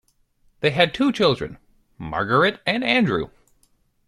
They had two children, Margaret and Andrew.